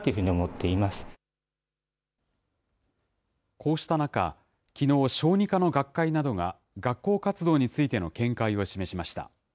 こうした中、きのう、小児科の学会などが学校活動についての見解を示しました。